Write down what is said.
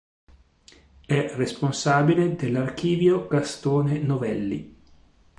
È responsabile dell'Archivio Gastone Novelli.